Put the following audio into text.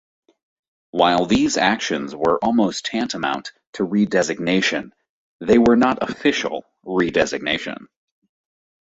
While these actions were almost tantamount to redesignation, they were not official redesignation.